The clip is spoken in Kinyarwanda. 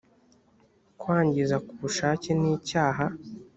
kwangiza ku bushake nicyaha